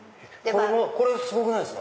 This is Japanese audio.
これすごくないですか？